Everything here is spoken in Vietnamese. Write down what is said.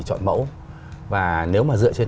chọn mẫu và nếu mà dựa trên